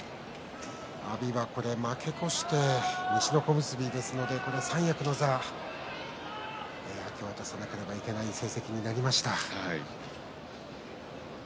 阿炎は負け越して西の小結ですので三役の座明け渡さなければいけない成績になりました。